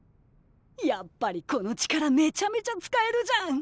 やっぱりこの力めちゃめちゃ使えるじゃん！